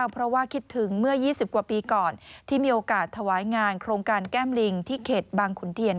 เพราะว่าคิดถึงเมื่อ๒๐กว่าปีก่อนที่มีโอกาสถวายงานโครงการแก้มลิงที่เขตบางขุนเทียน